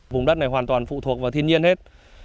vùng đất này hoàn toàn phụ thuộc vào thiên nhiên hết